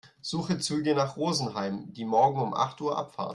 Suche Züge nach Rosenheim, die morgen um acht Uhr abfahren.